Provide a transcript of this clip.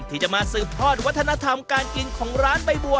ที่จะมาริศวรับกินร้านใบบัว